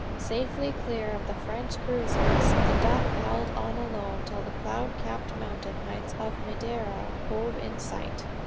Safely clear of the French cruisers, The Duff held on alone till the cloud capped mountain heights of Madeira hove in sight.